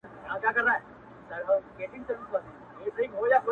سوځوي چي زړه د وينو په اوبو کي!